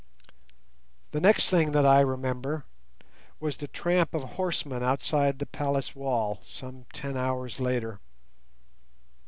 The next thing that I remember was the tramp of horsemen outside the palace wall, some ten hours later.